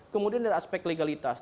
kemudian ada aspek legalitas